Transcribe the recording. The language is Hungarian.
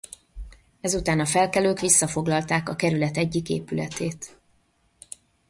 Ezután a felkelők visszafoglalták a kerület egyik épületét.